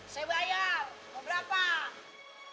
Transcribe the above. saya bayar mau beli pak